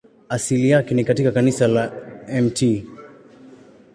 Asili yake ni katika kanisa la Mt.